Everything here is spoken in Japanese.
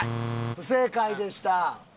不正解でした。